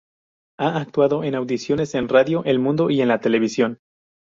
Ha actuado en audiciones en Radio El Mundo y en la televisión.